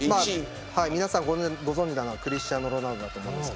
皆さんご存じなのはクリスティアーノ・ロナウドだと思います。